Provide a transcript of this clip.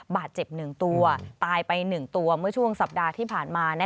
บาดเจ็บ๑ตัวตายไป๑ตัวเมื่อช่วงสัปดาห์ที่ผ่านมา